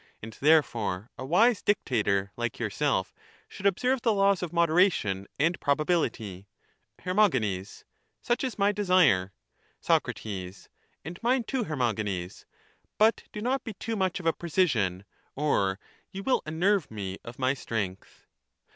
And therefore a wise dictator, like yourself, should observe the laws of moderation and proba bility. Her. Such is my desire. Soc. And mine, too, Hermogenes. But do not be too 4.15 much of a precisian, or 'you will unnerve me of my strength